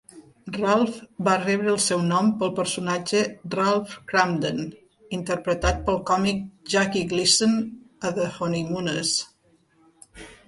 Ralph va rebre el seu nom pel personatge Ralph Kramden, interpretat pel còmic Jackie Gleason a "The Honeymooners".